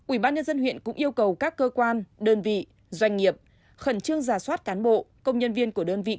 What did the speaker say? ubnd huyện cũng yêu cầu các cơ quan đơn vị doanh nghiệp khẩn trương giả soát cán bộ công nhân viên của đơn vị